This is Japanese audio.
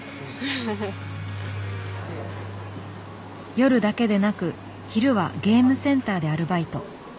夜だけでなく昼はゲームセンターでアルバイト。